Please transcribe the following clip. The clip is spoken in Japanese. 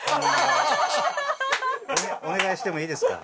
お願いしてもいいですか？